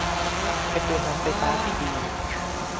เป็นตัวนำไฟฟ้าที่ดี